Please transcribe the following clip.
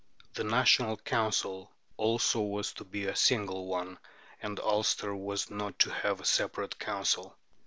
The National Council also was to be a single one, and Ulster was not to have a separate Council.